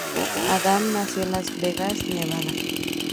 Adam nació en Las Vegas, Nevada.